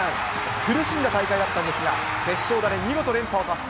苦しんだ大会だったんですが、決勝打で見事、連覇を達成。